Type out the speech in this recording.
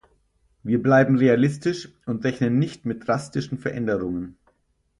Wir bleiben realistisch und rechnen nicht mit drastischen Veränderungen.